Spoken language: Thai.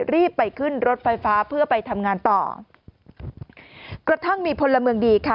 รีบไปขึ้นรถไฟฟ้าเพื่อไปทำงานต่อกระทั่งมีพลเมืองดีค่ะ